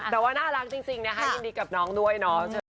แต่ว่าน่ารักจริงนะคะยินดีกับน้องด้วยเนาะ